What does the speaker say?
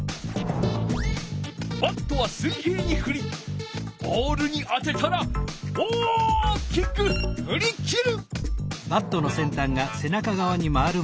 バットは水平にふりボールに当てたら大きくふりきる！